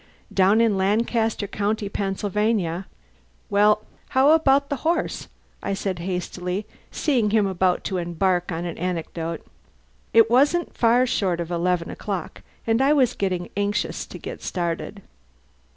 Down in Lancaster County, Pennsylvania...." "Well, how about the horse?" I said hastily, seeing him about to embark on an anecdote. It wasn't far short of eleven o'clock, and I was anxious to get started.